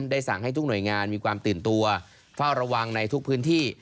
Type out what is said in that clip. ได้สั่งให้ทุกหน่วยงานมีความตื่นตัวเฝ้าระวังในทุกพื้นที่